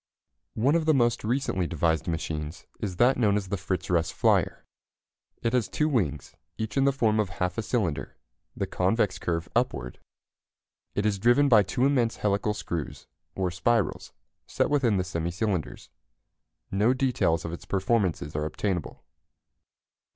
One of the most recently devised machines is that known as the Fritz Russ flyer. It has two wings, each in the form of half a cylinder, the convex curve upward. It is driven by two immense helical screws, or spirals, set within the semi cylinders. No details of its performances are obtainable.